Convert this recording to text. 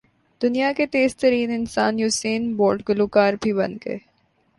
دنیا کے تیز ترین انسان یوسین بولٹ گلو کار بھی بن گئے